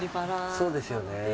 そうですね。